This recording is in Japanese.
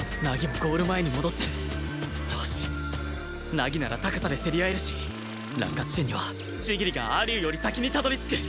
凪なら高さで競り合えるし落下地点には千切が蟻生より先にたどり着く